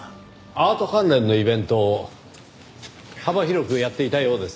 アート関連のイベントを幅広くやっていたようですねぇ。